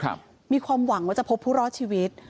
มีความหวังว่าจะพบผู้รอดชีวิต